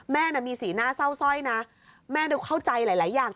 มีสีหน้าเศร้าสร้อยนะแม่ดูเข้าใจหลายอย่าง